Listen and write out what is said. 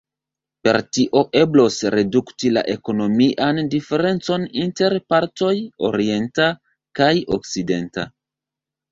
Per tio eblos redukti la ekonomian diferencon inter partoj orienta kaj okcidenta.